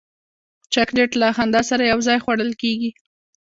چاکلېټ له خندا سره یو ځای خوړل کېږي.